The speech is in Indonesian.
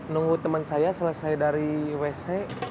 nunggu teman saya selesai dari wc